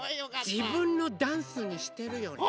じぶんのダンスにしてるよね。